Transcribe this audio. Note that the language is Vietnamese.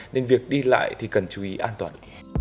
nên việc đi lại thì cần chú ý an toàn